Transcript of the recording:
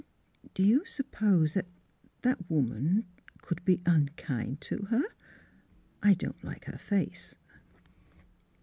Do you suppose that — that woman could be unkind to her ? I don 't like her face."